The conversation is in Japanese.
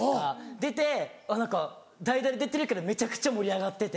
出て代打で出てるけどめちゃくちゃ盛り上がってて。